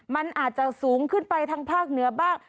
มันอาจจะสูงขึ้นไปทางภาคเหนือบ้าง